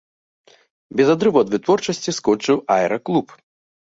Без адрыву ад вытворчасці скончыў аэраклуб.